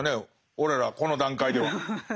俺らこの段階では。